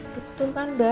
betul kan mba